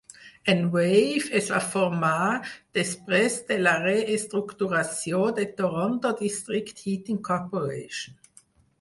Enwave es va formar després de la reestructuració de Toronto District Heating Corporation.